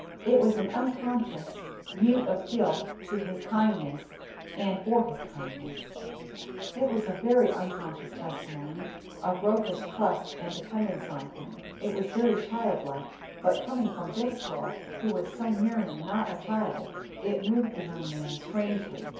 It was an unconscious, mute appeal to his kindness and for his kindness; it was a very unconscious testimony of Rotha's trust and dependence on him; it was very child like, but coming from this girl who was so nearly not a child, it moved the young man strangely.